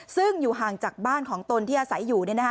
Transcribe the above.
ซึ่งอยู่ห่างจากบ้านของตนที่อาศัยอยู่